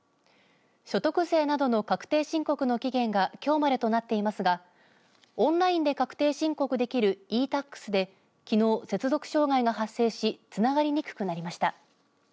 所得税などの確定申告の期限がきょうまでとなっていますがオンラインで確定申告できるｅ‐Ｔａｘできのう、接続障害が発生しつながりにくくなりました。